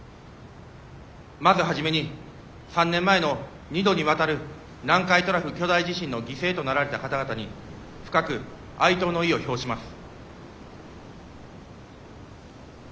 まず初めに３年前の２度にわたる南海トラフ巨大地震の犠牲となられた方々に深く哀悼の意を表します。